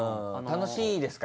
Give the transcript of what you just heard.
楽しいですか？